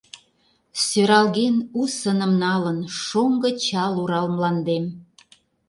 Сӧралген, у сыным налын Шоҥго чал Урал мландем.